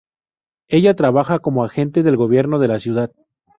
Ella trabaja como agente del gobierno de la ciudad.